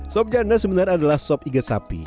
sop janda sebenarnya adalah sop iget sapi